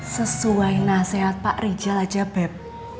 sesuai nasihat pak rijal aja beb